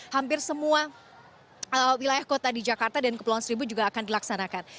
hampir semua wilayah kota di jakarta dan kepulauan seribu juga akan dilaksanakan